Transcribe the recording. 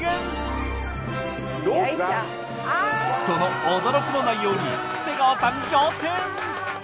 その驚きの内容に瀬川さん仰天！